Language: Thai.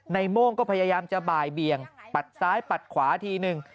โม่งก็พยายามจะบ่ายเบียงปัดซ้ายปัดขวาทีนึง